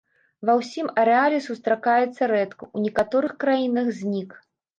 Ва ўсім арэале сустракаецца рэдка, у некаторых краінах знік.